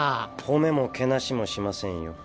褒めもけなしもしませんよ。